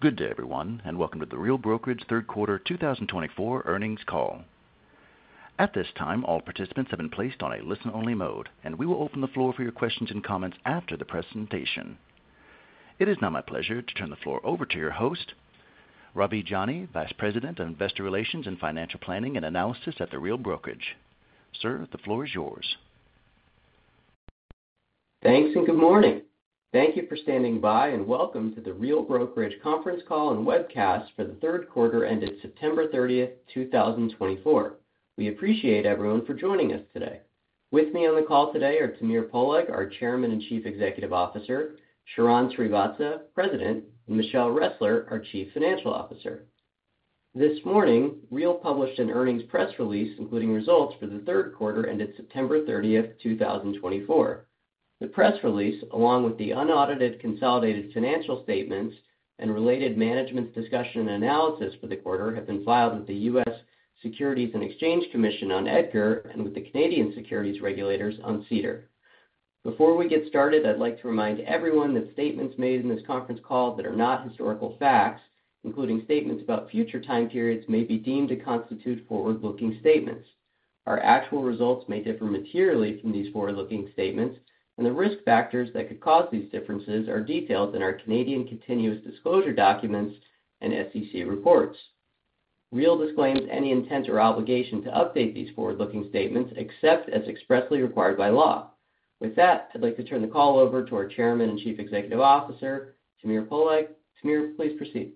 Good day, everyone, and welcome to the Real Brokerage Third Quarter 2024 earnings call. At this time, all participants have been placed on a listen-only mode, and we will open the floor for your questions and comments after the presentation. It is now my pleasure to turn the floor over to your host, Ravi Jani, Vice President of Investor Relations and Financial Planning and Analysis at the Real Brokerage. Sir, the floor is yours. Thanks and good morning. Thank you for standing by and welcome to the Real Brokerage conference call and webcast for the third quarter ended September 30th, 2024. We appreciate everyone for joining us today. With me on the call today are Tamir Poleg, our Chairman and Chief Executive Officer, Sharran Srivatsaa, President, and Michelle Ressler, our Chief Financial Officer. This morning, Real published an earnings press release, including results for the third quarter ended September 30th, 2024. The press release, along with the unaudited consolidated financial statements and related management's discussion and analysis for the quarter, have been filed with the U.S. Securities and Exchange Commission on EDGAR and with the Canadian securities regulators on SEDAR. Before we get started, I'd like to remind everyone that statements made in this conference call that are not historical facts, including statements about future time periods, may be deemed to constitute forward-looking statements. Our actual results may differ materially from these forward-looking statements, and the risk factors that could cause these differences are detailed in our Canadian continuous disclosure documents and SEC reports. Real disclaims any intent or obligation to update these forward-looking statements except as expressly required by law. With that, I'd like to turn the call over to our Chairman and Chief Executive Officer, Tamir Poleg. Tamir, please proceed.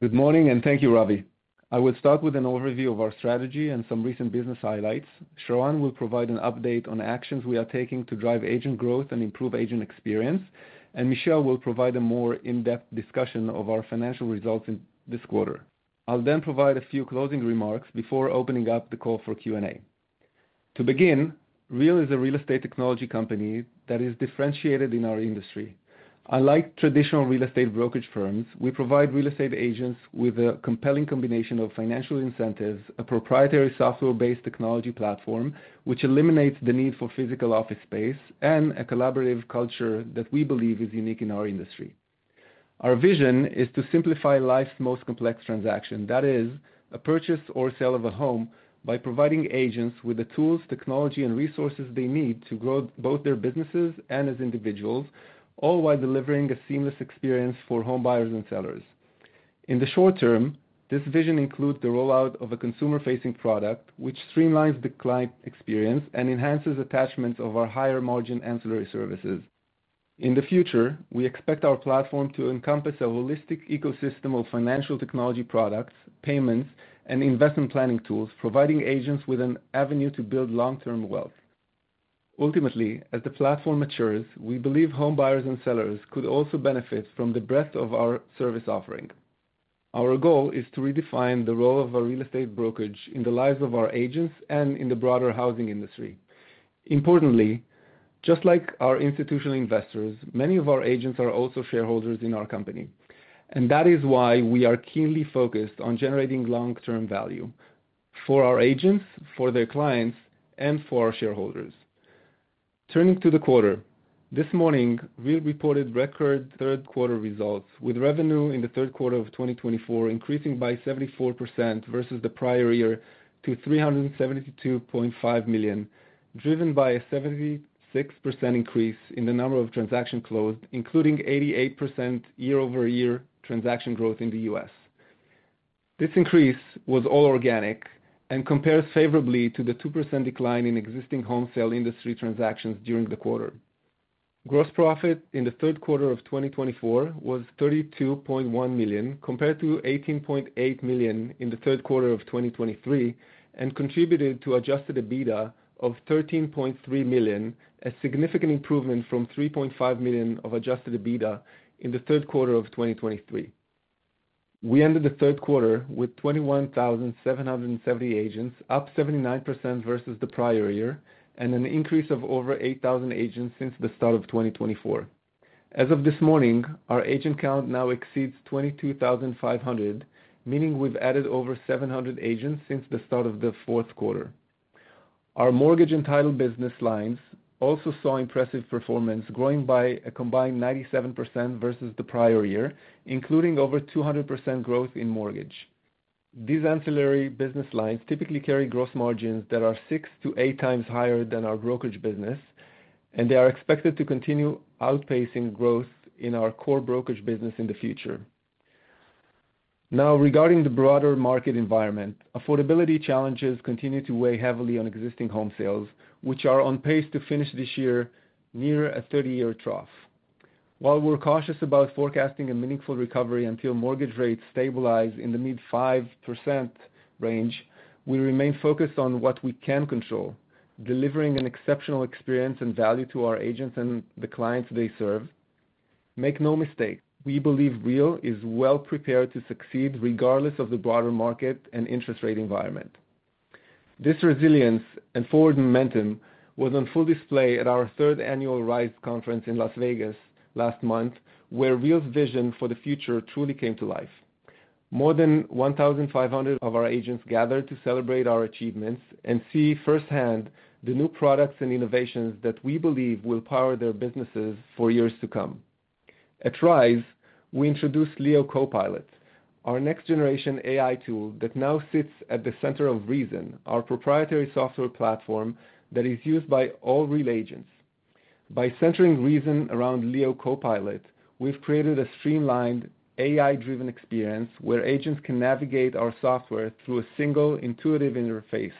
Good morning and thank you, Ravi. I will start with an overview of our strategy and some recent business highlights. Sharran will provide an update on actions we are taking to drive agent growth and improve agent experience, and Michelle will provide a more in-depth discussion of our financial results in this quarter. I'll then provide a few closing remarks before opening up the call for Q&A. To begin, Real is a real estate technology company that is differentiated in our industry. Unlike traditional real estate brokerage firms, we provide real estate agents with a compelling combination of financial incentives, a proprietary software-based technology platform which eliminates the need for physical office space, and a collaborative culture that we believe is unique in our industry. Our vision is to simplify life's most complex transaction, that is, a purchase or sale of a home, by providing agents with the tools, technology, and resources they need to grow both their businesses and as individuals, all while delivering a seamless experience for home buyers and sellers. In the short term, this vision includes the rollout of a consumer-facing product which streamlines the client experience and enhances attachments of our higher-margin ancillary services. In the future, we expect our platform to encompass a holistic ecosystem of financial technology products, payments, and investment planning tools, providing agents with an avenue to build long-term wealth. Ultimately, as the platform matures, we believe home buyers and sellers could also benefit from the breadth of our service offering. Our goal is to redefine the role of our real estate brokerage in the lives of our agents and in the broader housing industry. Importantly, just like our institutional investors, many of our agents are also shareholders in our company, and that is why we are keenly focused on generating long-term value for our agents, for their clients, and for our shareholders. Turning to the quarter, this morning, Real reported record third quarter results, with revenue in the third quarter of 2024 increasing by 74% versus the prior year to $372.5 million, driven by a 76% increase in the number of transactions closed, including 88% year-over-year transaction growth in the U.S. This increase was all organic and compares favorably to the 2% decline in existing home sale industry transactions during the quarter. Gross profit in the third quarter of 2024 was $32.1 million, compared to $18.8 million in the third quarter of 2023, and contributed to Adjusted EBITDA of $13.3 million, a significant improvement from $3.5 million of Adjusted EBITDA in the third quarter of 2023. We ended the third quarter with 21,770 agents, up 79% versus the prior year, and an increase of over 8,000 agents since the start of 2024. As of this morning, our agent count now exceeds 22,500, meaning we've added over 700 agents since the start of the fourth quarter. Our mortgage and title business lines also saw impressive performance, growing by a combined 97% versus the prior year, including over 200% growth in mortgage. These ancillary business lines typically carry gross margins that are six to eight times higher than our brokerage business, and they are expected to continue outpacing growth in our core brokerage business in the future. Now, regarding the broader market environment, affordability challenges continue to weigh heavily on existing home sales, which are on pace to finish this year near a 30-year trough. While we're cautious about forecasting a meaningful recovery until mortgage rates stabilize in the mid-5% range, we remain focused on what we can control, delivering an exceptional experience and value to our agents and the clients they serve. Make no mistake, we believe Real is well prepared to succeed regardless of the broader market and interest rate environment. This resilience and forward momentum was on full display at our third annual RISE conference in Las Vegas last month, where Real's vision for the future truly came to life. More than 1,500 of our agents gathered to celebrate our achievements and see firsthand the new products and innovations that we believe will power their businesses for years to come. At RISE, we introduced Leo CoPilot, our next-generation AI tool that now sits at the center of reZEN, our proprietary software platform that is used by all Real agents. By centering reZEN around Leo CoPilot, we've created a streamlined, AI-driven experience where agents can navigate our software through a single, intuitive interface.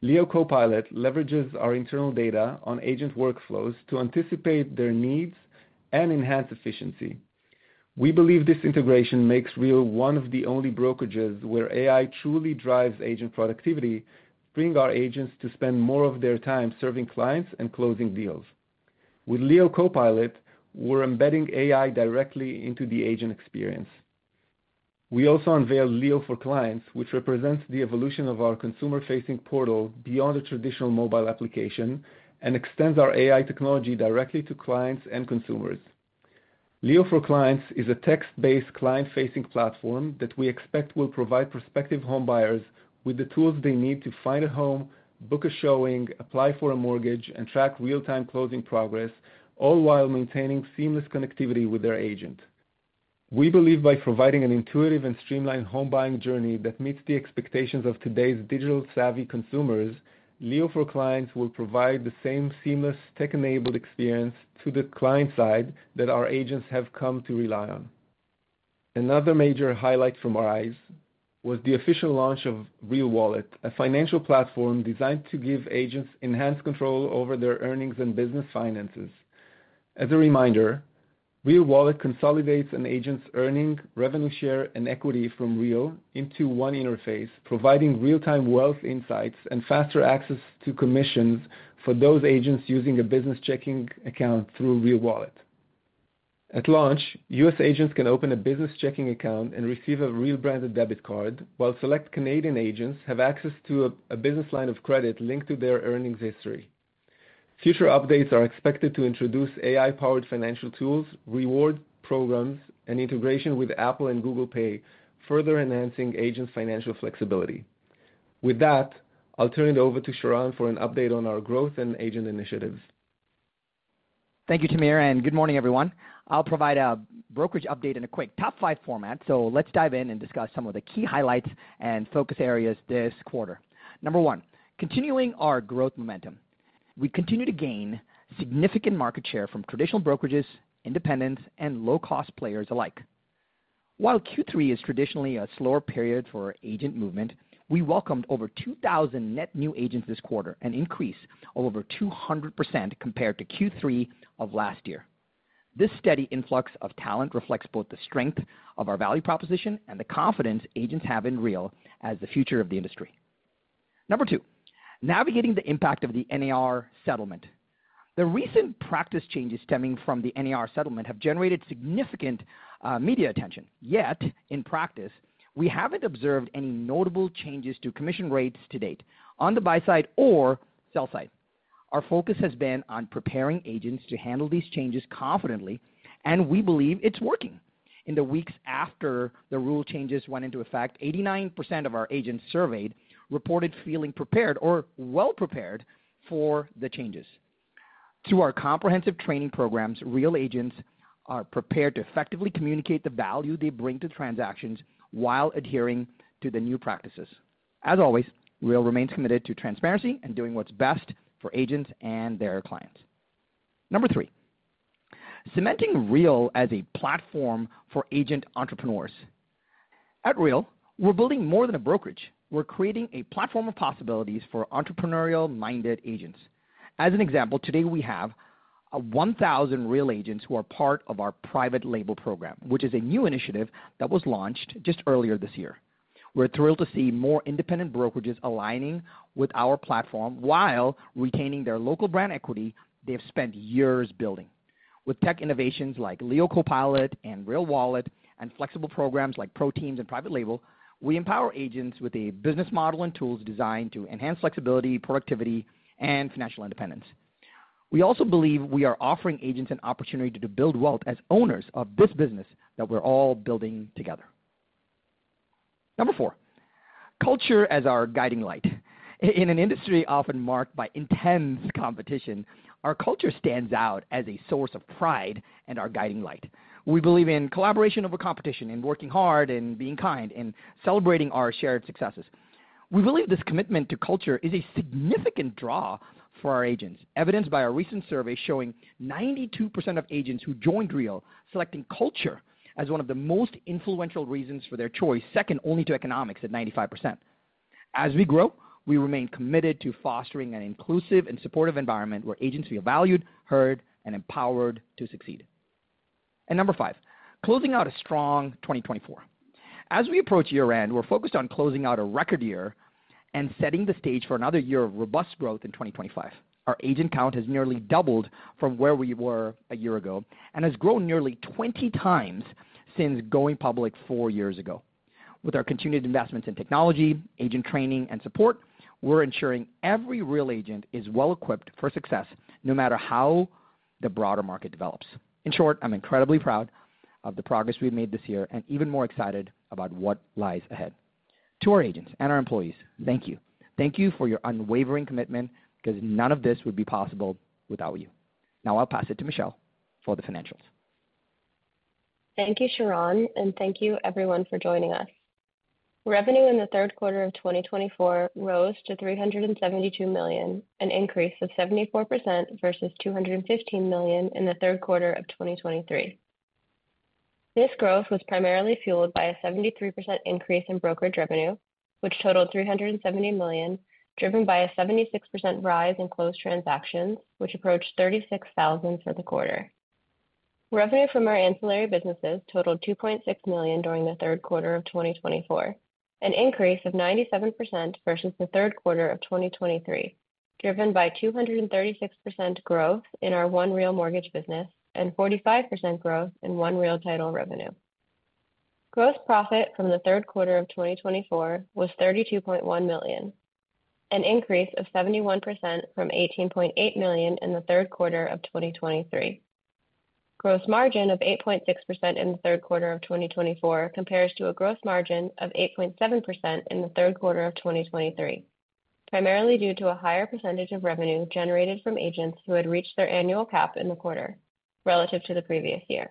Leo CoPilot leverages our internal data on agent workflows to anticipate their needs and enhance efficiency. We believe this integration makes Real one of the only brokerages where AI truly drives agent productivity, bringing our agents to spend more of their time serving clients and closing deals. With Leo CoPilot, we're embedding AI directly into the agent experience. We also unveiled Leo for Clients, which represents the evolution of our consumer-facing portal beyond a traditional mobile application and extends our AI technology directly to clients and consumers. Leo for Clients is a text-based client-facing platform that we expect will provide prospective home buyers with the tools they need to find a home, book a showing, apply for a mortgage, and track real-time closing progress, all while maintaining seamless connectivity with their agent. We believe by providing an intuitive and streamlined home buying journey that meets the expectations of today's digital-savvy consumers, Leo for Clients will provide the same seamless, tech-enabled experience to the client side that our agents have come to rely on. Another major highlight in our eyes was the official launch of Real Wallet, a financial platform designed to give agents enhanced control over their earnings and business finances. As a reminder, Real Wallet consolidates an agent's earnings, revenue share, and equity from Real into one interface, providing real-time wealth insights and faster access to commissions for those agents using a business checking account through Real Wallet. At launch, U.S. agents can open a business checking account and receive a Real-branded debit card, while select Canadian agents have access to a business line of credit linked to their earnings history. Future updates are expected to introduce AI-powered financial tools, reward programs, and integration with Apple Pay and Google Pay, further enhancing agents' financial flexibility. With that, I'll turn it over to Sharran for an update on our growth and agent initiatives. Thank you, Tamir, and good morning, everyone. I'll provide a brokerage update in a quick top-five format, so let's dive in and discuss some of the key highlights and focus areas this quarter. Number one, continuing our growth momentum, we continue to gain significant market share from traditional brokerages, independents, and low-cost players alike. While Q3 is traditionally a slower period for agent movement, we welcomed over 2,000 net new agents this quarter, an increase of over 200% compared to Q3 of last year. This steady influx of talent reflects both the strength of our value proposition and the confidence agents have in Real as the future of the industry. Number two, navigating the impact of the NAR settlement. The recent practice changes stemming from the NAR settlement have generated significant media attention, yet in practice, we haven't observed any notable changes to commission rates to date, on the buy-side or sell-side. Our focus has been on preparing agents to handle these changes confidently, and we believe it's working. In the weeks after the rule changes went into effect, 89% of our agents surveyed reported feeling prepared or well-prepared for the changes. Through our comprehensive training programs, Real agents are prepared to effectively communicate the value they bring to transactions while adhering to the new practices. As always, Real remains committed to transparency and doing what's best for agents and their clients. Number three, cementing Real as a platform for agent entrepreneurs. At Real, we're building more than a brokerage. We're creating a platform of possibilities for entrepreneurial-minded agents. As an example, today we have 1,000 Real agents who are part of our Private Label program, which is a new initiative that was launched just earlier this year. We're thrilled to see more independent brokerages aligning with our platform while retaining their local brand equity they've spent years building. With tech innovations like Leo CoPilot and Real Wallet, and flexible programs like ProTeams and Private Label, we empower agents with a business model and tools designed to enhance flexibility, productivity, and financial independence. We also believe we are offering agents an opportunity to build wealth as owners of this business that we're all building together. Number four, culture as our guiding light. In an industry often marked by intense competition, our culture stands out as a source of pride and our guiding light. We believe in collaboration over competition, in working hard and being kind, and celebrating our shared successes. We believe this commitment to culture is a significant draw for our agents, evidenced by our recent survey showing 92% of agents who joined Real selecting culture as one of the most influential reasons for their choice, second only to economics at 95%. As we grow, we remain committed to fostering an inclusive and supportive environment where agents feel valued, heard, and empowered to succeed. Number five, closing out a strong 2024. As we approach year-end, we're focused on closing out a record year and setting the stage for another year of robust growth in 2025. Our agent count has nearly doubled from where we were a year ago and has grown nearly 20 times since going public four years ago. With our continued investments in technology, agent training, and support, we're ensuring every Real agent is well-equipped for success no matter how the broader market develops. In short, I'm incredibly proud of the progress we've made this year and even more excited about what lies ahead. To our agents and our employees, thank you. Thank you for your unwavering commitment because none of this would be possible without you. Now I'll pass it to Michelle for the financials. Thank you, Sharran, and thank you, everyone, for joining us. Revenue in the third quarter of 2024 rose to $372 million, an increase of 74% versus $215 million in the third quarter of 2023. This growth was primarily fueled by a 73% increase in brokerage revenue, which totaled $370 million, driven by a 76% rise in closed transactions, which approached 36,000 for the quarter. Revenue from our ancillary businesses totaled $2.6 million during the third quarter of 2024, an increase of 97% versus the third quarter of 2023, driven by 236% growth in our One Real Mortgage business and 45% growth in One Real Title revenue. Gross profit from the third quarter of 2024 was $32.1 million, an increase of 71% from $18.8 million in the third quarter of 2023. Gross margin of 8.6% in the third quarter of 2024 compares to a gross margin of 8.7% in the third quarter of 2023, primarily due to a higher percentage of revenue generated from agents who had reached their annual cap in the quarter relative to the previous year.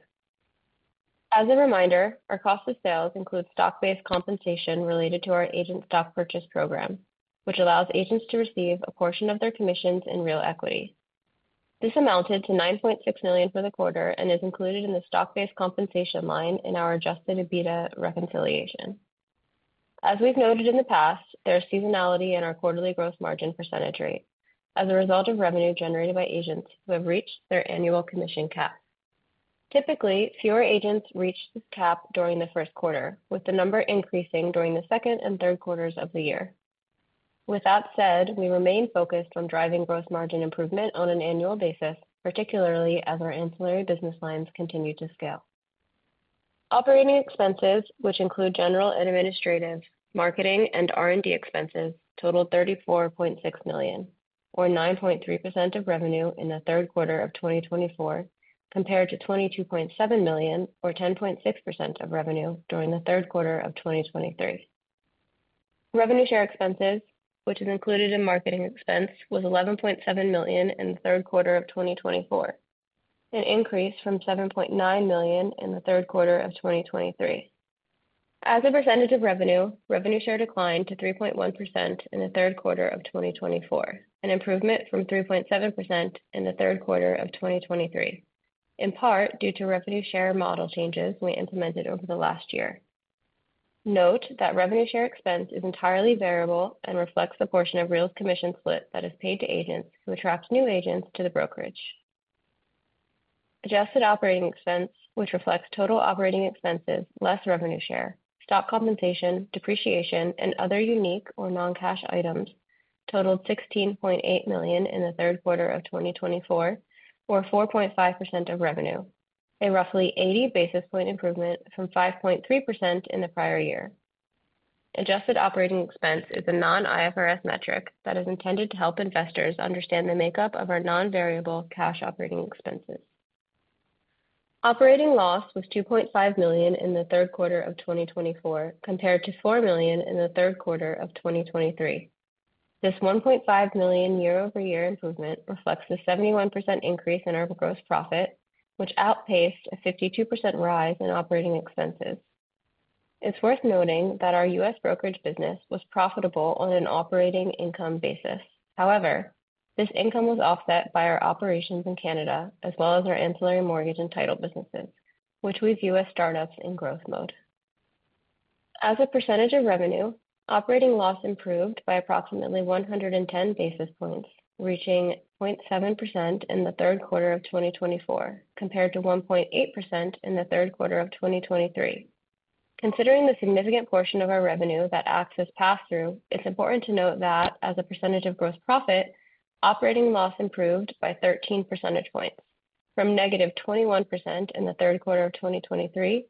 As a reminder, our cost of sales includes stock-based compensation related to our agent stock purchase program, which allows agents to receive a portion of their commissions in Real equity. This amounted to $9.6 million for the quarter and is included in the stock-based compensation line in our adjusted EBITDA reconciliation. As we've noted in the past, there is seasonality in our quarterly gross margin percentage rate as a result of revenue generated by agents who have reached their annual commission cap. Typically, fewer agents reached this cap during the first quarter, with the number increasing during the second and third quarters of the year. With that said, we remain focused on driving gross margin improvement on an annual basis, particularly as our ancillary business lines continue to scale. Operating expenses, which include general and administrative, marketing, and R&D expenses, totaled $34.6 million, or 9.3% of revenue in the third quarter of 2024, compared to $22.7 million, or 10.6% of revenue during the third quarter of 2023. Revenue share expenses, which is included in marketing expense, was $11.7 million in the third quarter of 2024, an increase from $7.9 million in the third quarter of 2023. As a percentage of revenue, revenue share declined to 3.1% in the third quarter of 2024, an improvement from 3.7% in the third quarter of 2023, in part due to revenue share model changes we implemented over the last year. Note that revenue share expense is entirely variable and reflects the portion of Real's commission split that is paid to agents who attract new agents to the brokerage. Adjusted operating expense, which reflects total operating expenses less revenue share, stock compensation, depreciation, and other unique or non-cash items, totaled 16.8 million in the third quarter of 2024, or 4.5% of revenue, a roughly 80 basis point improvement from 5.3% in the prior year. Adjusted operating expense is a non-IFRS metric that is intended to help investors understand the makeup of our non-variable cash operating expenses. Operating loss was $2.5 million in the third quarter of 2024, compared to $4 million in the third quarter of 2023. This $1.5 million year-over-year improvement reflects the 71% increase in our gross profit, which outpaced a 52% rise in operating expenses. It's worth noting that our U.S. brokerage business was profitable on an operating income basis. However, this income was offset by our operations in Canada, as well as our ancillary mortgage and title businesses, which we view as startups in growth mode. As a percentage of revenue, operating loss improved by approximately 110 basis points, reaching 0.7% in the third quarter of 2024, compared to 1.8% in the third quarter of 2023. Considering the significant portion of our revenue that acts as pass-through, it's important to note that, as a percentage of gross profit, operating loss improved by 13 percentage points, from negative 21% in the third quarter of 2023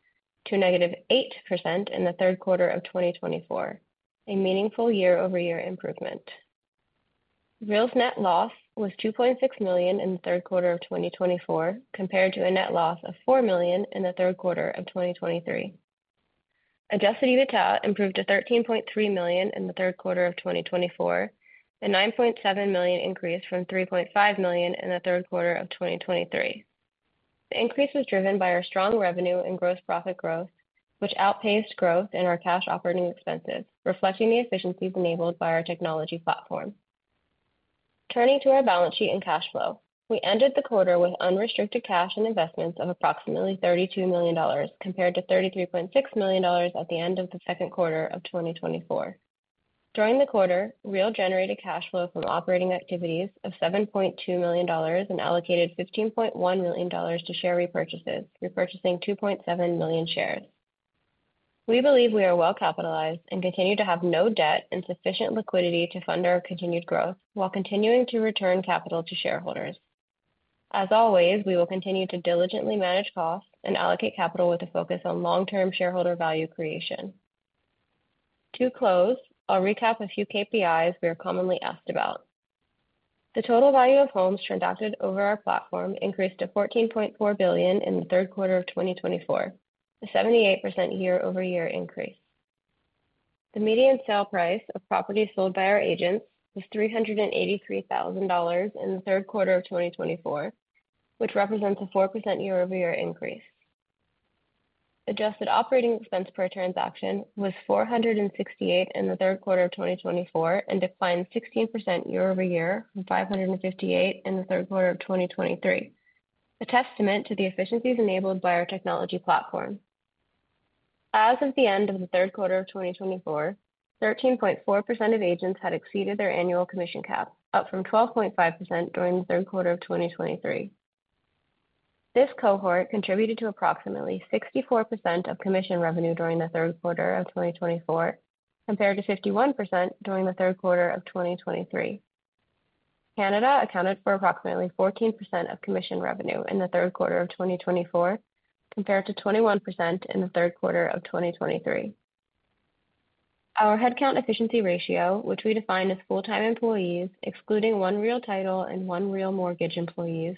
to negative 8% in the third quarter of 2024, a meaningful year-over-year improvement. Real's net loss was $2.6 million in the third quarter of 2024, compared to a net loss of $4 million in the third quarter of 2023. Adjusted EBITDA improved to $13.3 million in the third quarter of 2024, a $9.7 million increase from $3.5 million in the third quarter of 2023. The increase was driven by our strong revenue and gross profit growth, which outpaced growth in our cash operating expenses, reflecting the efficiencies enabled by our technology platform. Turning to our balance sheet and cash flow, we ended the quarter with unrestricted cash and investments of approximately $32 million, compared to $33.6 million at the end of the second quarter of 2024. During the quarter, Real generated cash flow from operating activities of $7.2 million and allocated $15.1 million to share repurchases, repurchasing 2.7 million shares. We believe we are well-capitalized and continue to have no debt and sufficient liquidity to fund our continued growth while continuing to return capital to shareholders. As always, we will continue to diligently manage costs and allocate capital with a focus on long-term shareholder value creation. To close, I'll recap a few KPIs we are commonly asked about. The total value of homes transacted over our platform increased to $14.4 billion in the third quarter of 2024, a 78% year-over-year increase. The median sale price of properties sold by our agents was $383,000 in the third quarter of 2024, which represents a 4% year-over-year increase. Adjusted operating expense per transaction was $468 in the third quarter of 2024 and declined 16% year-over-year from $558 in the third quarter of 2023, a testament to the efficiencies enabled by our technology platform. As of the end of the third quarter of 2024, 13.4% of agents had exceeded their annual commission cap, up from 12.5% during the third quarter of 2023. This cohort contributed to approximately 64% of commission revenue during the third quarter of 2024, compared to 51% during the third quarter of 2023. Canada accounted for approximately 14% of commission revenue in the third quarter of 2024, compared to 21% in the third quarter of 2023. Our headcount efficiency ratio, which we defined as full-time employees, excluding One Real Title and One Real Mortgage employees,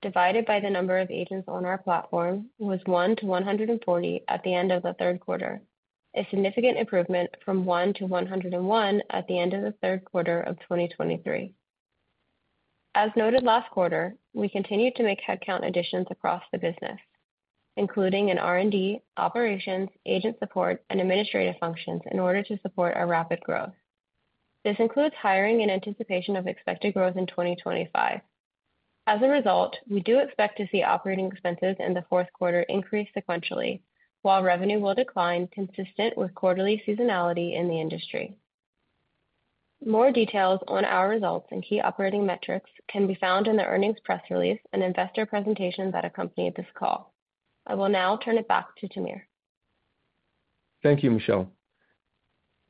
divided by the number of agents on our platform, was 1 to 140 at the end of the third quarter, a significant improvement from 1 to 101 at the end of the third quarter of 2023. As noted last quarter, we continued to make headcount additions across the business, including in R&D, operations, agent support, and administrative functions in order to support our rapid growth. This includes hiring in anticipation of expected growth in 2025. As a result, we do expect to see operating expenses in the fourth quarter increase sequentially, while revenue will decline consistent with quarterly seasonality in the industry. More details on our results and key operating metrics can be found in the earnings press release and investor presentation that accompanied this call. I will now turn it back to Tamir. Thank you, Michelle.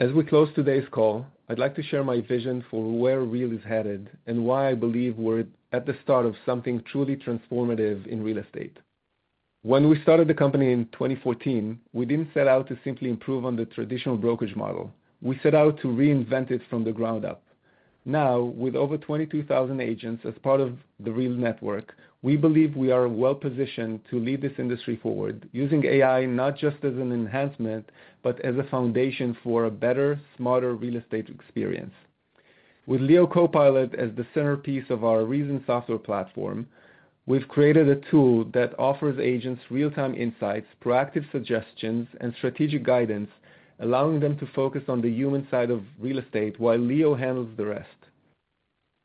As we close today's call, I'd like to share my vision for where Real is headed and why I believe we're at the start of something truly transformative in real estate. When we started the company in 2014, we didn't set out to simply improve on the traditional brokerage model. We set out to reinvent it from the ground up. Now, with over 22,000 agents as part of the Real Network, we believe we are well-positioned to lead this industry forward, using AI not just as an enhancement, but as a foundation for a better, smarter real estate experience. With Leo CoPilot as the centerpiece of our reZEN software platform, we've created a tool that offers agents real-time insights, proactive suggestions, and strategic guidance, allowing them to focus on the human side of real estate while Leo handles the rest.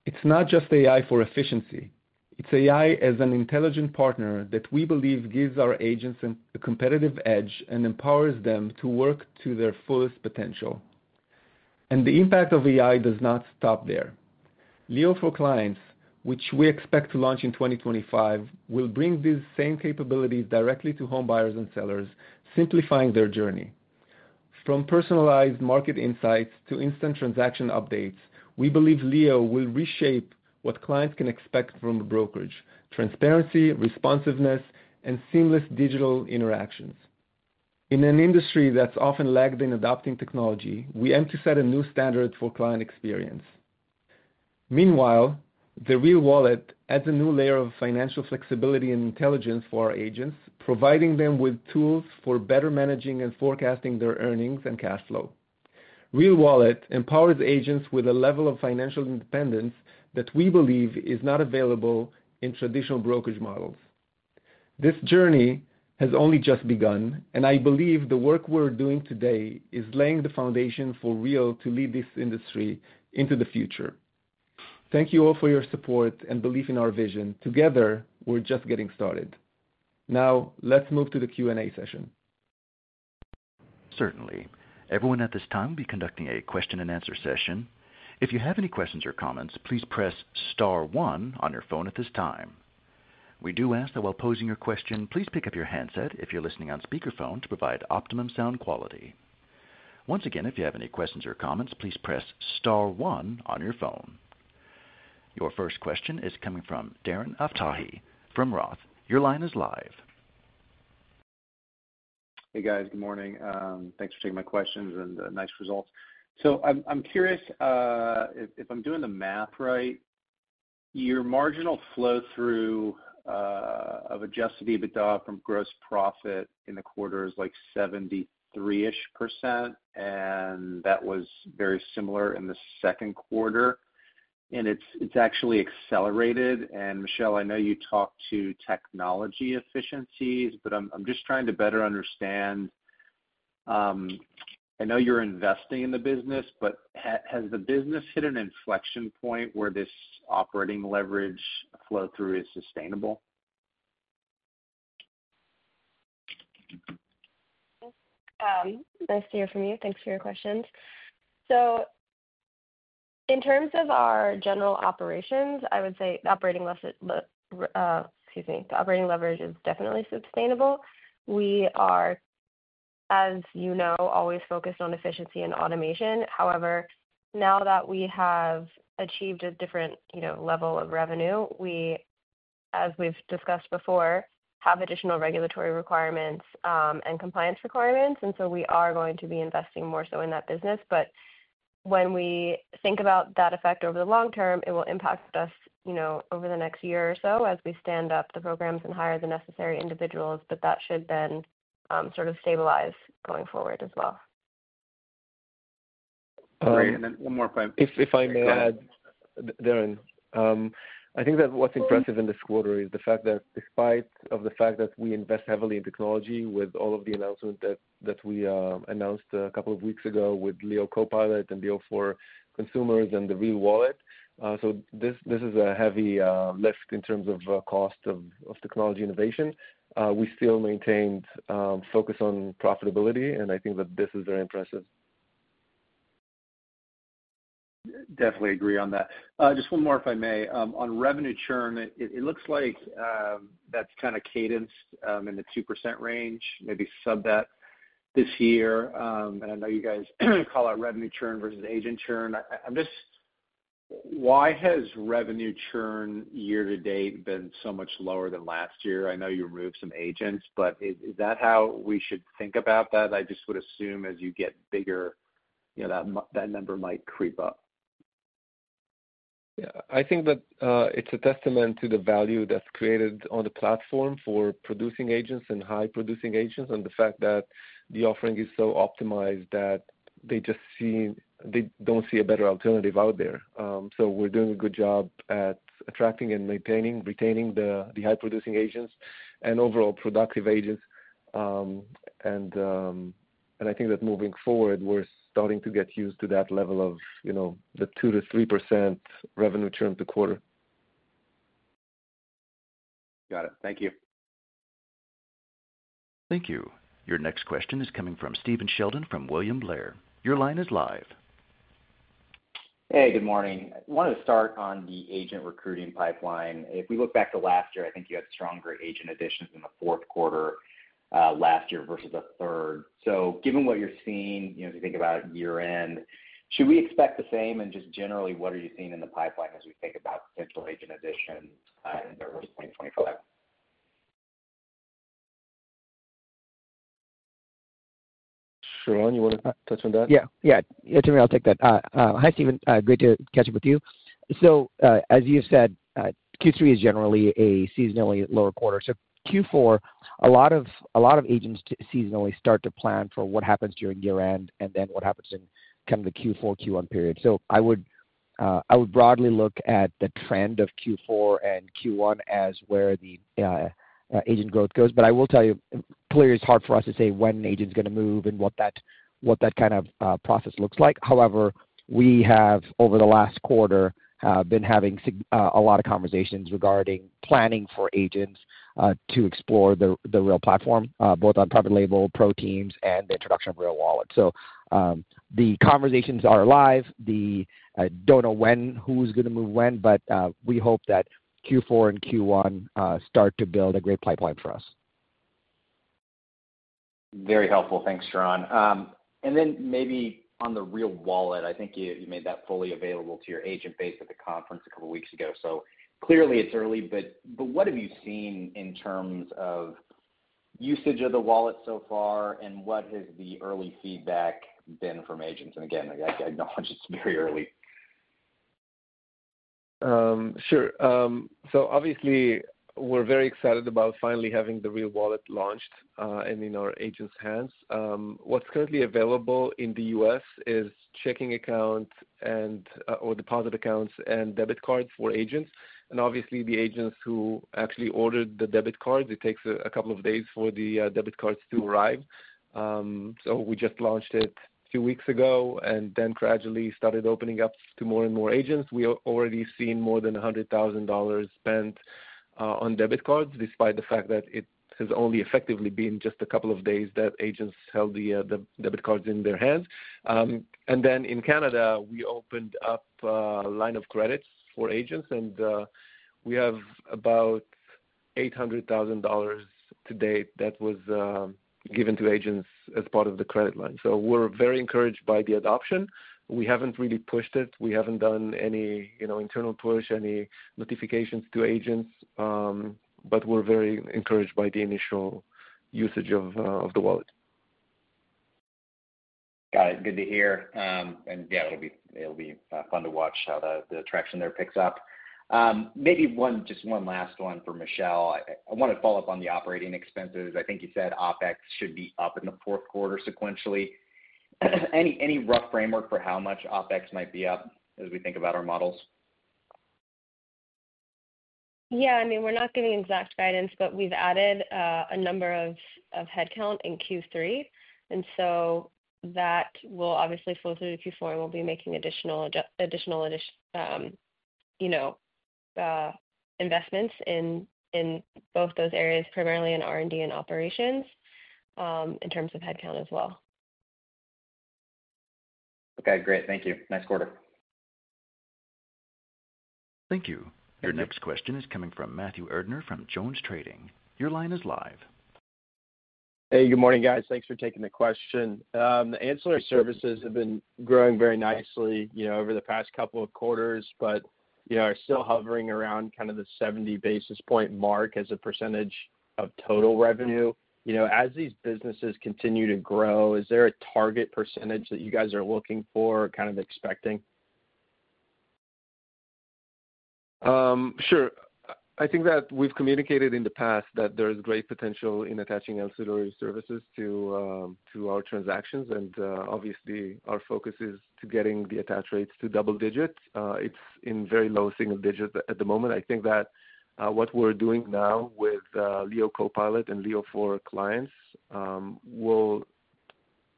It's not just AI for efficiency. It's AI as an intelligent partner that we believe gives our agents a competitive edge and empowers them to work to their fullest potential, and the impact of AI does not stop there. Leo for Clients, which we expect to launch in 2025, will bring these same capabilities directly to homebuyers and sellers, simplifying their journey. From personalized market insights to instant transaction updates, we believe Leo will reshape what clients can expect from a brokerage: transparency, responsiveness, and seamless digital interactions. In an industry that's often lagged in adopting technology, we aim to set a new standard for client experience. Meanwhile, the Real Wallet adds a new layer of financial flexibility and intelligence for our agents, providing them with tools for better managing and forecasting their earnings and cash flow. Real Wallet empowers agents with a level of financial independence that we believe is not available in traditional brokerage models. This journey has only just begun, and I believe the work we're doing today is laying the foundation for Real to lead this industry into the future. Thank you all for your support and belief in our vision. Together, we're just getting started. Now, let's move to the Q&A session. Certainly. Everyone at this time will be conducting a question-and-answer session. If you have any questions or comments, please press Star 1 on your phone at this time. We do ask that while posing your question, please pick up your handset if you're listening on speakerphone to provide optimum sound quality. Once again, if you have any questions or comments, please press Star 1 on your phone. Your first question is coming from Darren Aftahi. From Roth, your line is live. Hey, guys. Good morning. Thanks for taking my questions and the nice results. So I'm curious, if I'm doing the math right, your marginal flow-through of Adjusted EBITDA from gross profit in the quarter is like 73-ish%, and that was very similar in the second quarter. And it's actually accelerated. And Michelle, I know you talk to technology efficiencies, but I'm just trying to better understand. I know you're investing in the business, but has the business hit an inflection point where this operating leverage flow-through is sustainable? Nice to hear from you. Thanks for your questions. So in terms of our general operations, I would say the operating leverage is definitely sustainable. We are, as you know, always focused on efficiency and automation. However, now that we have achieved a different level of revenue, we, as we've discussed before, have additional regulatory requirements and compliance requirements. And so we are going to be investing more so in that business. But when we think about that effect over the long term, it will impact us over the next year or so as we stand up the programs and hire the necessary individuals, but that should then sort of stabilize going forward as well. Great. Then one more point. If I may add, Darren, I think that what's impressive in this quarter is the fact that, despite the fact that we invest heavily in technology with all of the announcements that we announced a couple of weeks ago with Leo CoPilot and Leo for Clients and the Real Wallet. So this is a heavy lift in terms of cost of technology innovation. We still maintained focus on profitability, and I think that this is very impressive. Definitely agree on that. Just one more, if I may. On revenue churn, it looks like that's kind of cadenced in the 2% range, maybe sub that this year. And I know you guys call out revenue churn versus agent churn. Why has revenue churn year to date been so much lower than last year? I know you removed some agents, but is that how we should think about that? I just would assume as you get bigger, that number might creep up. Yeah. I think that it's a testament to the value that's created on the platform for producing agents and high-producing agents and the fact that the offering is so optimized that they don't see a better alternative out there. So we're doing a good job at attracting and retaining the high-producing agents and overall productive agents. And I think that moving forward, we're starting to get used to that level of the 2%-3% revenue churn per quarter. Got it. Thank you. Thank you. Your next question is coming from Stephen Sheldon from William Blair. Your line is live. Hey, good morning. I wanted to start on the agent recruiting pipeline. If we look back to last year, I think you had stronger agent additions in the fourth quarter last year versus the third. So given what you're seeing, as you think about year-end, should we expect the same? And just generally, what are you seeing in the pipeline as we think about potential agent additions in the early 2025? Sharran, you want to touch on that? Yeah. Yeah. Yeah, Tamir, I'll take that. Hi, Steven. Great to catch up with you. So as you said, Q3 is generally a seasonally lower quarter. So Q4, a lot of agents seasonally start to plan for what happens during year-end and then what happens in kind of the Q4, Q1 period. So I would broadly look at the trend of Q4 and Q1 as where the agent growth goes. But I will tell you, clearly, it's hard for us to say when an agent's going to move and what that kind of process looks like. However, we have, over the last quarter, been having a lot of conversations regarding planning for agents to explore the Real Platform, both on private label, ProTeams, and the introduction of Real Wallet. So the conversations are live. I don't know when, who's going to move when, but we hope that Q4 and Q1 start to build a great pipeline for us. Very helpful. Thanks, Sharran. And then maybe on the Real Wallet, I think you made that fully available to your agent base at the conference a couple of weeks ago. So clearly, it's early, but what have you seen in terms of usage of the wallet so far, and what has the early feedback been from agents? And again, I acknowledge it's very early. Sure. So obviously, we're very excited about finally having the Real Wallet launched and in our agents' hands. What's currently available in the U.S. is checking accounts or deposit accounts and debit cards for agents. And obviously, the agents who actually ordered the debit cards, it takes a couple of days for the debit cards to arrive. So we just launched it two weeks ago and then gradually started opening up to more and more agents. We have already seen more than $100,000 spent on debit cards, despite the fact that it has only effectively been just a couple of days that agents held the debit cards in their hands. And then in Canada, we opened up a line of credits for agents, and we have about $800,000 to date that was given to agents as part of the credit line. So we're very encouraged by the adoption. We haven't really pushed it. We haven't done any internal push, any notifications to agents, but we're very encouraged by the initial usage of the wallet. Got it. Good to hear. And yeah, it'll be fun to watch how the traction there picks up. Maybe just one last one for Michelle. I want to follow up on the operating expenses. I think you said OpEx should be up in the fourth quarter sequentially. Any rough framework for how much OpEx might be up as we think about our models? Yeah. I mean, we're not giving exact guidance, but we've added a number of headcount in Q3. And so that will obviously flow through to Q4, and we'll be making additional investments in both those areas, primarily in R&D and operations, in terms of headcount as well. Okay. Great. Thank you. Nice quarter. Thank you. Your next question is coming from Matthew Erdner from JonesTrading. Your line is live. Hey, good morning, guys. Thanks for taking the question. The ancillary services have been growing very nicely over the past couple of quarters, but are still hovering around kind of the 70 basis point mark as a percentage of total revenue. As these businesses continue to grow, is there a target percentage that you guys are looking for or kind of expecting? Sure. I think that we've communicated in the past that there is great potential in attaching ancillary services to our transactions. And obviously, our focus is to getting the attach rates to double digits. It's in very low single digits at the moment. I think that what we're doing now with Leo CoPilot and Leo for Clients will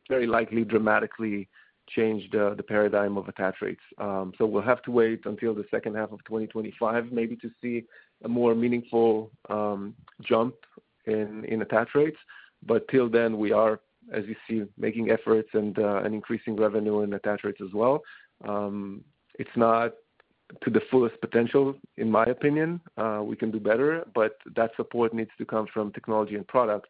very likely dramatically change the paradigm of attach rates. So we'll have to wait until the second half of 2025 maybe to see a more meaningful jump in attach rates. But till then, we are, as you see, making efforts and increasing revenue in attach rates as well. It's not to the fullest potential, in my opinion. We can do better, but that support needs to come from technology and product,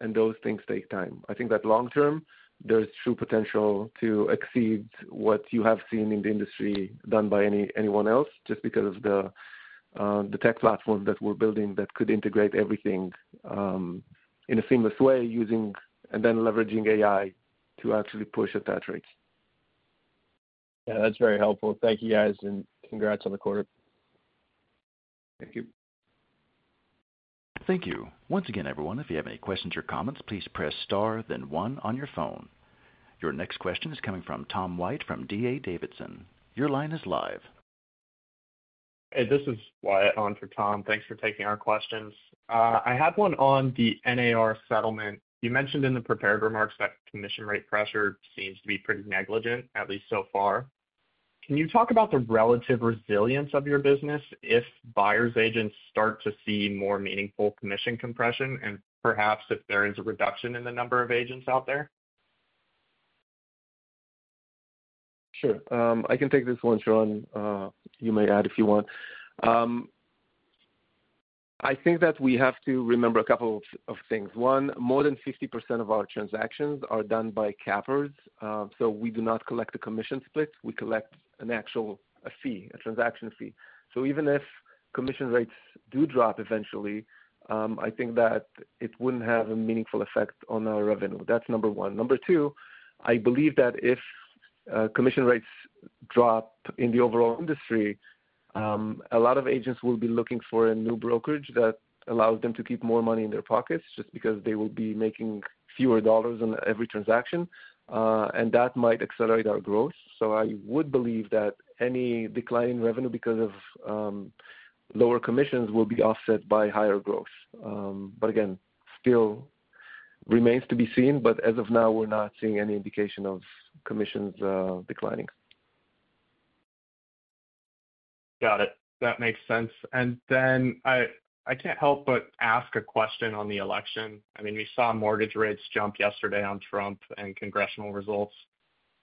and those things take time. I think that long term, there is true potential to exceed what you have seen in the industry done by anyone else just because of the tech platform that we're building that could integrate everything in a seamless way and then leveraging AI to actually push attach rates. Yeah. That's very helpful. Thank you, guys, and congrats on the quarter. Thank you. Thank you. Once again, everyone, if you have any questions or comments, please press Star, then one on your phone. Your next question is coming from Tom White from D.A. Davidson. Your line is live. Hey, this is Wyatt on for Tom. Thanks for taking our questions. I have one on the NAR settlement. You mentioned in the prepared remarks that commission rate pressure seems to be pretty negligible, at least so far. Can you talk about the relative resilience of your business if buyers' agents start to see more meaningful commission compression and perhaps if there is a reduction in the number of agents out there? Sure. I can take this one, Sharran. You may add if you want. I think that we have to remember a couple of things. One, more than 50% of our transactions are done by cappers. So we do not collect a commission split. We collect an actual fee, a transaction fee. So even if commission rates do drop eventually, I think that it wouldn't have a meaningful effect on our revenue. That's number one. Number two, I believe that if commission rates drop in the overall industry, a lot of agents will be looking for a new brokerage that allows them to keep more money in their pockets just because they will be making fewer dollars on every transaction. And that might accelerate our growth. So I would believe that any decline in revenue because of lower commissions will be offset by higher growth. But again, still remains to be seen. But as of now, we're not seeing any indication of commissions declining. Got it. That makes sense. And then I can't help but ask a question on the election. I mean, we saw mortgage rates jump yesterday on Trump and congressional results.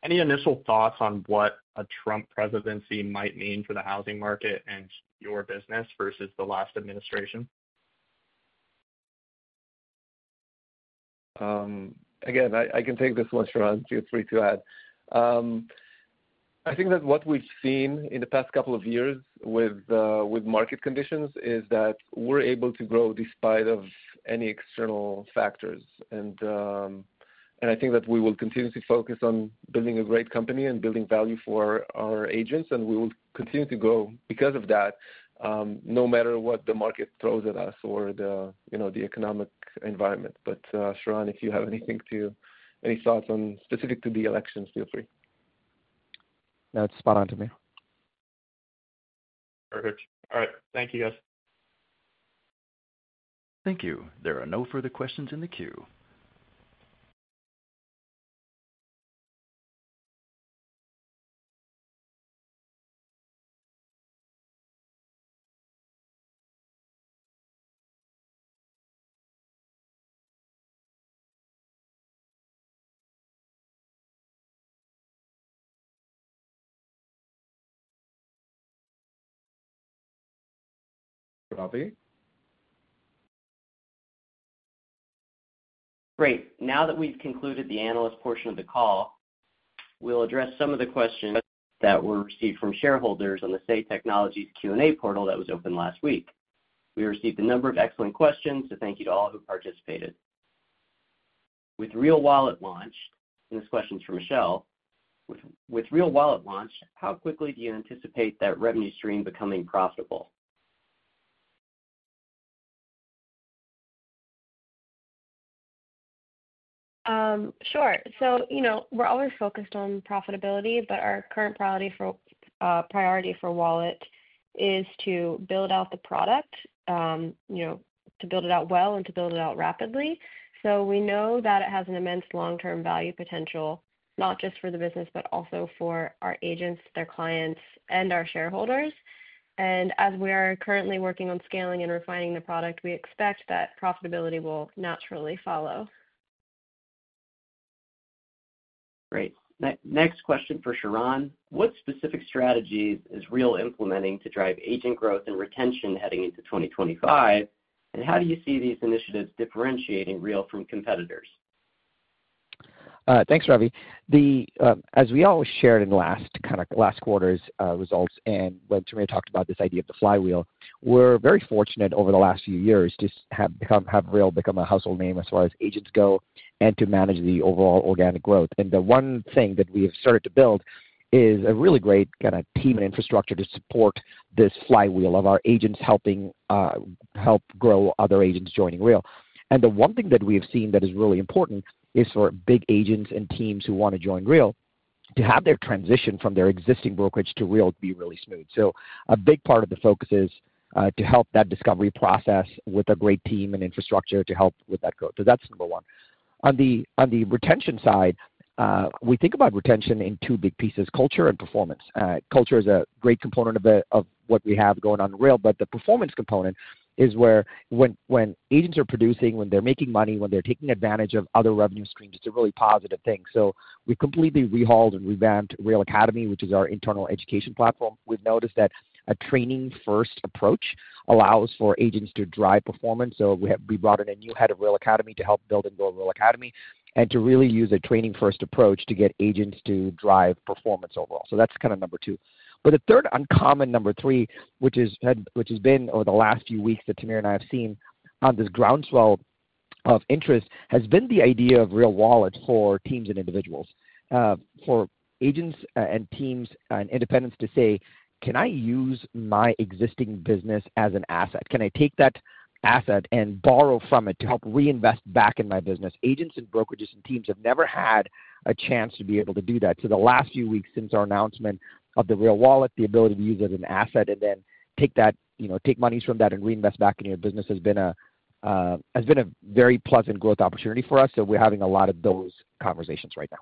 Any initial thoughts on what a Trump presidency might mean for the housing market and your business versus the last administration? Again, I can take this one, Sharran. Feel free to add. I think that what we've seen in the past couple of years with market conditions is that we're able to grow despite any external factors. I think that we will continue to focus on building a great company and building value for our agents, and we will continue to grow because of that, no matter what the market throws at us or the economic environment. Sharran, if you have anything, any thoughts specific to the elections, feel free. That's spot on, Tamir. Perfect. All right. Thank you, guys. Thank you. There are no further questions in the queue. Ravi? Great. Now that we've concluded the analyst portion of the call, we'll address some of the questions that were received from shareholders on the Say Technologies Q&A portal that was open last week. We received a number of excellent questions, so thank you to all who participated. With Real Wallet launched, and this question's for Michelle, with Real Wallet launched, how quickly do you anticipate that revenue stream becoming profitable? Sure. So we're always focused on profitability, but our current priority for Wallet is to build out the product, to build it out well, and to build it out rapidly. So we know that it has an immense long-term value potential, not just for the business, but also for our agents, their clients, and our shareholders. And as we are currently working on scaling and refining the product, we expect that profitability will naturally follow. Great. Next question for Sharran. What specific strategies is Real implementing to drive agent growth and retention heading into 2025? And how do you see these initiatives differentiating Real from competitors? Thanks, Ravi. As we all shared in the last quarter's results and when Tamir talked about this idea of the flywheel, we're very fortunate over the last few years to have Real become a household name as far as agents go and to manage the overall organic growth, and the one thing that we have started to build is a really great kind of team and infrastructure to support this flywheel of our agents helping grow other agents joining Real, and the one thing that we have seen that is really important is for big agents and teams who want to join Real to have their transition from their existing brokerage to Real be really smooth, so a big part of the focus is to help that discovery process with a great team and infrastructure to help with that growth, so that's number one. On the retention side, we think about retention in two big pieces: culture and performance. Culture is a great component of what we have going on in Real, but the performance component is where when agents are producing, when they're making money, when they're taking advantage of other revenue streams, it's a really positive thing. So we've completely overhauled and revamped Real Academy, which is our internal education platform. We've noticed that a training-first approach allows for agents to drive performance. So we brought in a new head of Real Academy to help build and grow Real Academy and to really use a training-first approach to get agents to drive performance overall. So that's kind of number two. But the third uncommon number three, which has been over the last few weeks that Tamir and I have seen on this groundswell of interest, has been the idea of Real Wallet for teams and individuals, for agents and teams and independents to say, "Can I use my existing business as an asset? Can I take that asset and borrow from it to help reinvest back in my business?" Agents and brokerages and teams have never had a chance to be able to do that. So the last few weeks since our announcement of the Real Wallet, the ability to use it as an asset and then take that, take monies from that, and reinvest back in your business has been a very pleasant growth opportunity for us. So we're having a lot of those conversations right now.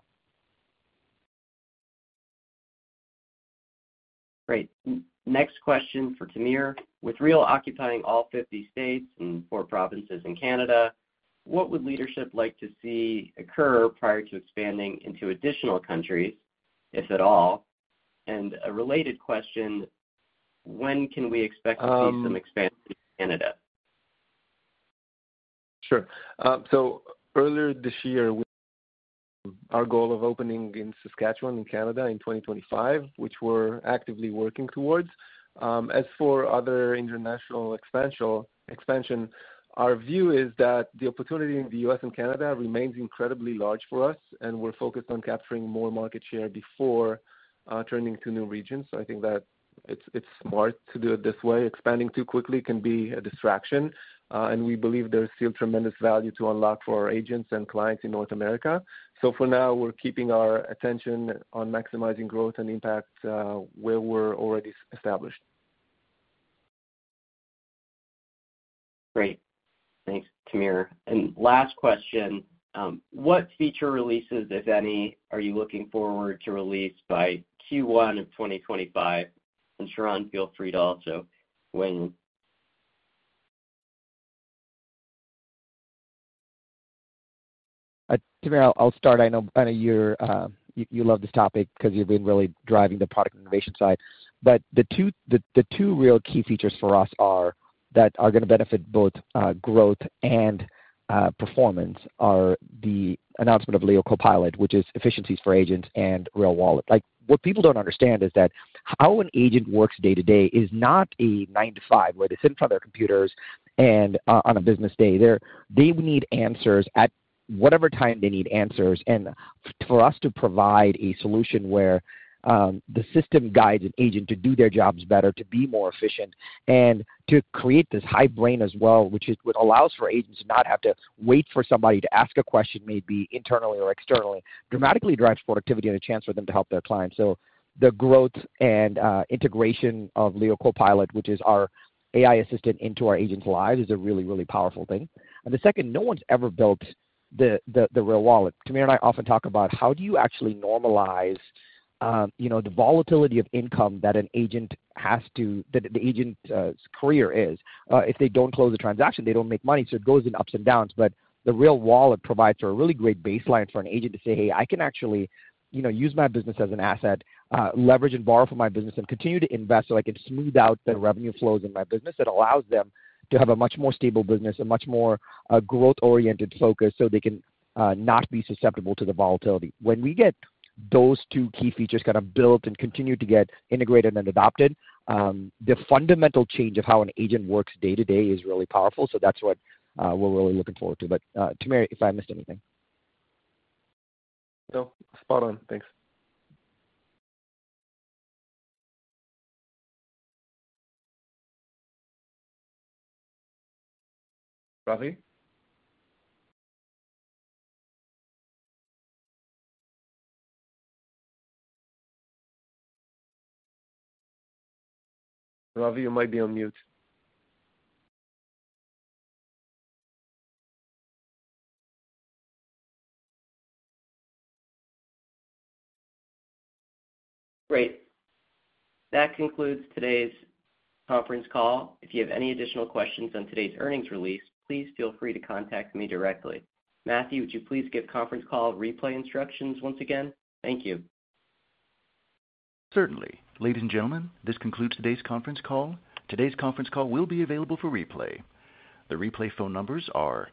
Great. Next question for Tamir. With Real occupying all 50 states and four provinces in Canada, what would leadership like to see occur prior to expanding into additional countries, if at all? And a related question, when can we expect to see some expansion in Canada? Sure. So earlier this year, our goal of opening in Saskatchewan in Canada in 2025, which we're actively working towards. As for other international expansion, our view is that the opportunity in the U.S. and Canada remains incredibly large for us, and we're focused on capturing more market share before turning to new regions. So I think that it's smart to do it this way. Expanding too quickly can be a distraction, and we believe there's still tremendous value to unlock for our agents and clients in North America. So for now, we're keeping our attention on maximizing growth and impact where we're already established. Great. Thanks, Tamir. And last question, what feature releases, if any, are you looking forward to release by Q1 of 2025? And Sharran, feel free to also weigh in. Tamir, I'll start. I know you love this topic because you've been really driving the product innovation side, but the two real key features for us that are going to benefit both growth and performance are the announcement of Leo CoPilot, which is efficiencies for agents and Real Wallet. What people don't understand is that how an agent works day-to-day is not a 9:00 A.M. to 5:00 P.M. where they sit in front of their computers and on a business day. They need answers at whatever time they need answers. And for us to provide a solution where the system guides an agent to do their jobs better, to be more efficient, and to create this AI brain as well, which allows for agents to not have to wait for somebody to answer a question maybe internally or externally, dramatically drives productivity and a chance for them to help their clients. So the growth and integration of Leo CoPilot, which is our AI assistant into our agents' lives, is a really, really powerful thing. And the second, no one's ever built the Real Wallet. Tamir and I often talk about how do you actually normalize the volatility of income that an agent has, so that the agent's career is. If they don't close a transaction, they don't make money. So it goes in ups and downs. But the Real Wallet provides for a really great baseline for an agent to say, "Hey, I can actually use my business as an asset, leverage and borrow from my business, and continue to invest so I can smooth out the revenue flows in my business." It allows them to have a much more stable business, a much more growth-oriented focus so they can not be susceptible to the volatility. When we get those two key features kind of built and continue to get integrated and adopted, the fundamental change of how an agent works day-to-day is really powerful. So that's what we're really looking forward to. But Tamir, if I missed anything. No, spot on. Thanks. Ravi? Ravi, you might be on mute. Great. That concludes today's conference call. If you have any additional questions on today's earnings release, please feel free to contact me directly. Matthew, would you please give conference call replay instructions once again? Thank you. Certainly. Ladies and gentlemen, this concludes today's conference call. Today's conference call will be available for replay. The replay phone numbers are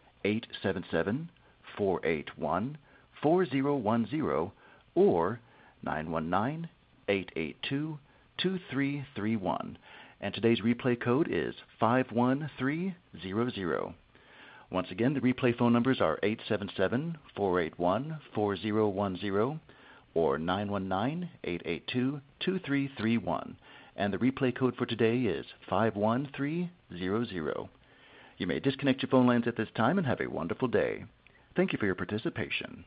877-481-4010 or 919-882-2331. And today's replay code is 51300. Once again, the replay phone numbers are 877-481-4010 or 919-882-2331. And the replay code for today is 51300. You may disconnect your phone lines at this time and have a wonderful day. Thank you for your participation.